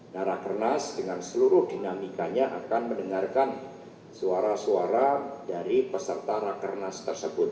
nah rakernas dengan seluruh dinamikanya akan mendengarkan suara suara dari peserta rakernas tersebut